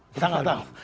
kita gak tau